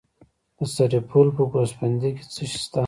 د سرپل په ګوسفندي کې څه شی شته؟